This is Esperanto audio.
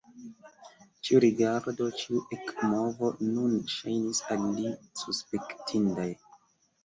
Ĉiu rigardo, ĉiu ekmovo nun ŝajnis al li suspektindaj.